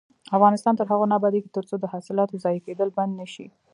افغانستان تر هغو نه ابادیږي، ترڅو د حاصلاتو ضایع کیدل بند نشي.